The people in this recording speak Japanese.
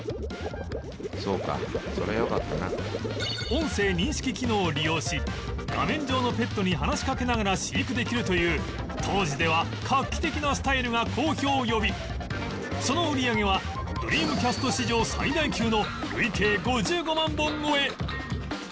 音声認識機能を利用し画面上のペットに話しかけながら飼育できるという当時では画期的なスタイルが好評を呼びその売り上げはドリームキャスト史上最大級の累計５５万本超え！